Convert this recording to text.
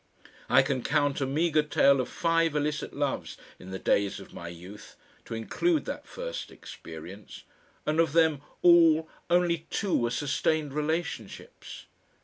I can count a meagre tale of five illicit loves in the days of my youth, to include that first experience, and of them all only two were sustained relationships.